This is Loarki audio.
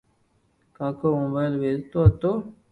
ڪاڪو موبائل ويچتو ھتو